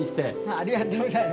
ありがとうございます。